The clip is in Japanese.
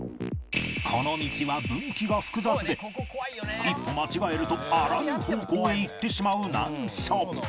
この道は分岐が複雑で一歩間違えるとあらぬ方向へ行ってしまう難所